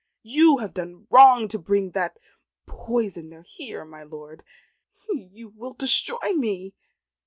You have done wrong to bring that poisoner here, my lord. You will destroy me."